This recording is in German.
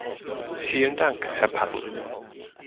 Vielen Dank, Herr Patten.